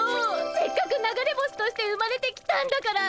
せっかく流れ星として生まれてきたんだから。